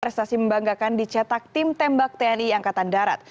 prestasi membanggakan dicetak tim tembak tni angkatan darat